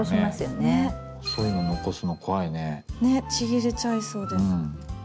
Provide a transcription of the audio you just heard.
ねえちぎれちゃいそうで。